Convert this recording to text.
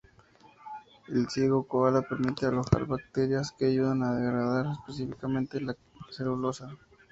El ciego del koala permite alojar bacterias que ayudan a degradar específicamente la celulosa.